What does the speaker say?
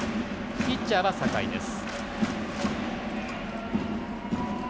ピッチャーは酒居です。